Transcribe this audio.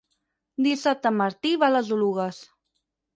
Dissabte en Martí va a les Oluges.